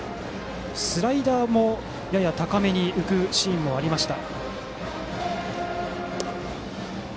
スライダーもやや高めに浮くシーンもありました。